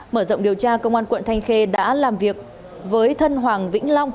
mở rộng điều tra công an quận thanh khê đã làm việc với thân hoàng vĩnh long